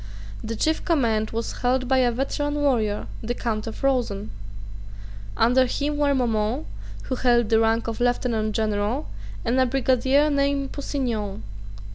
The chief command was held by a veteran warrior, the Count of Rosen. Under him were Maumont, who held the rank of lieutenant general, and a brigadier named Pusignan.